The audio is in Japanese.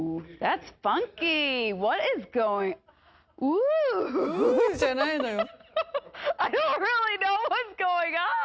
うーじゃないのよ。